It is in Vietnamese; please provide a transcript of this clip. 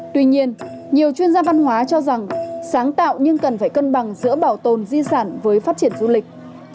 tuy nhiên nhiều chuyên gia văn hóa cho rằng sáng tạo nhưng cần phải cân bằng giữa bảo tồn di sản với phát triển du lịch